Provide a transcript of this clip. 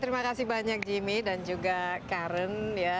terima kasih banyak jimmy dan juga karen